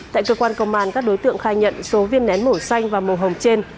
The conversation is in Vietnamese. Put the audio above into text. tại cơ quan công an các đối tượng khai nhận số viên nén màu xanh và màu hồng trên